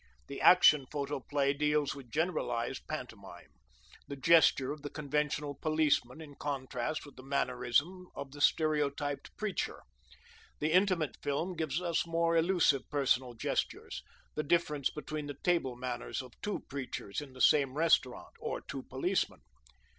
The Action Photoplay deals with generalized pantomime: the gesture of the conventional policeman in contrast with the mannerism of the stereotyped preacher. The Intimate Film gives us more elusive personal gestures: the difference between the table manners of two preachers in the same restaurant, or two policemen.